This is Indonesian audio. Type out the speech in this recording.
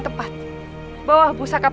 tidak ada yang bisa dikawal